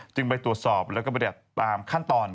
จึงไปตรวจสอบและก็จัดตามขั้นตอน